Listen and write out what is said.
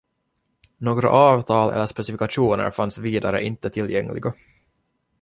Några avtal eller specifikationer fanns vidare inte tillgängliga.